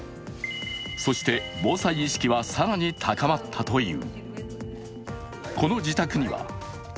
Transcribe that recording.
そして、防災意識は更に高まったという。